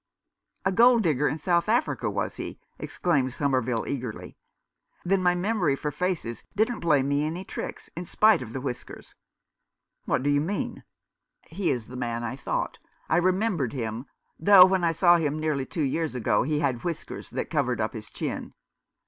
"A gold digger in South Africa, was he?" exclaimed Somerville, eagerly. " Then my memory for faces didn't play me any tricks — in spite of the whiskers." "What do you mean ?"" He is the man I thought. I remembered him — though when I saw him nearly two years ago he had whiskers that covered up his chin.